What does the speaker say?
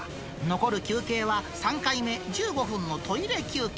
残る休憩は３回目、１５分のトイレ休憩。